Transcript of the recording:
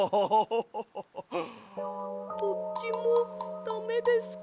どっちもダメですか？